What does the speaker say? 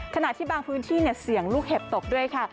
ขณะที่บางพื้นที่เสี่ยงลูกเห็บตกด้วยค่ะ